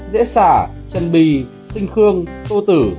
dễ xả chân bì sinh khương tô tử